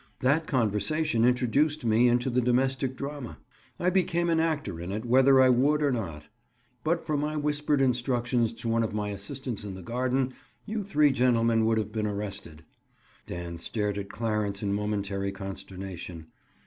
That conversation introduced me into the domestic drama. I became an actor in it whether I would or not. But for my whispered instructions to one of my assistants in the garden, you three gentlemen would have been arrested." Dan stared at Clarence in momentary consternation.